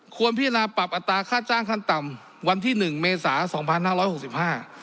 ควรพิจารณาปรับอัตราค่าจ้างขั้นต่ำวันที่หนึ่งเมษาสองพันห้าร้อยหกสิบห้า